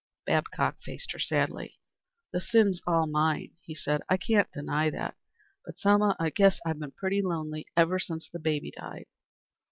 Babcock faced her sadly. "The sin's all mine," he said. "I can't deny that. But, Selma, I guess I've been pretty lonely ever since the baby died."